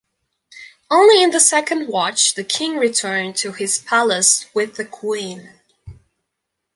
Only in the second watch the king returned to his palace with the queen.